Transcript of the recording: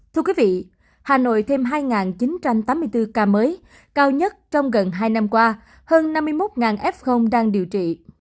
thưa quý vị hà nội thêm hai chín trăm tám mươi bốn ca mới cao nhất trong gần hai năm qua hơn năm mươi một f đang điều trị